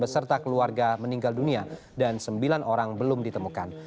beserta keluarga meninggal dunia dan sembilan orang belum ditemukan